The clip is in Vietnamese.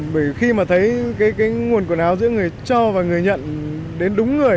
bởi khi mà thấy cái nguồn quần áo giữa người cho và người nhận đến đúng người